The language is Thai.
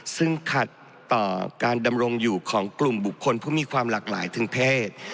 ซึ่งขัดต่อการดำรงอยู่ของกลุ่มบุคคลผู้มีความหลากหลายทางเพศ